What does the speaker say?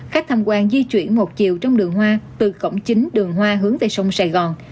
khách tham quan di chuyển một chiều trong đường hoa từ cổng chính đường hoa hướng về sông sài gòn